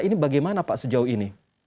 ini bagaimana pak sejauh ini